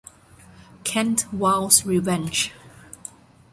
Kent vows revenge.